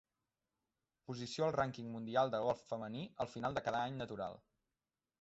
Posició al rànquing mundial de golf femení al final de cada any natural.